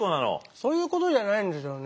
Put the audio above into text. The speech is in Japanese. そういうことじゃないんですよね。